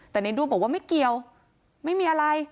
แต่ในดูบอกว่าไม่เกี่ยวไม่มีอะไร